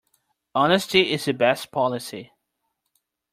Honesty is the best policy.